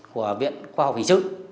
của viện khoa học hình dự